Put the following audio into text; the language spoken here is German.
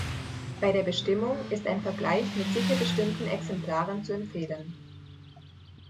Bei der Bestimmung ist ein Vergleich mit sicher bestimmten Exemplaren zu empfehlen.